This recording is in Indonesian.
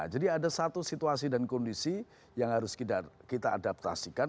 jadi ada satu situasi dan kondisi yang harus kita adaptasikan